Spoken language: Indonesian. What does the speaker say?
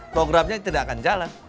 programnya tidak akan jalan